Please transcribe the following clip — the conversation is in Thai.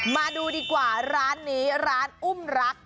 มาดูดีกว่าร้านนี้ร้านอุ้มรัก